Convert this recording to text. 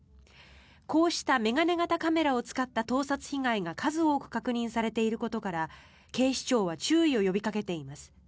こうした眼鏡型カメラを使った盗撮被害が数多く確認されていることから警視庁は注意を呼びかけています。